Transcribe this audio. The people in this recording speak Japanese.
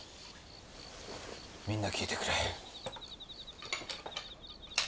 みんな聞いてくれ。